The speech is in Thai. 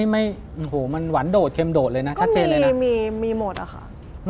ไม่รู้ด้วยว่าเป็นใคร